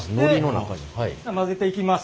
混ぜていきます。